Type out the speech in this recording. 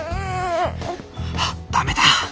はっダメだ！